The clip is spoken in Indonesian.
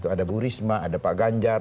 ada bu risma ada pak ganjar